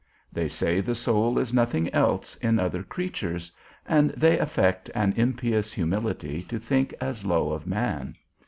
They see the soul is nothing else in other creatures, and they affect an impious humility to think as low of man.